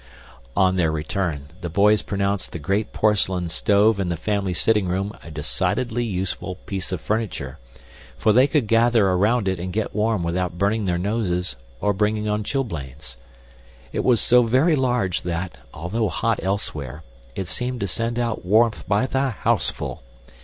On their return, the boys pronounced the great porcelain stove in the family sitting room a decidedly useful piece of furniture, for they could gather around it and get warm without burning their noses or bringing on chilblains. It was so very large that, though hot elsewhere, it seemed to send out warmth by the houseful.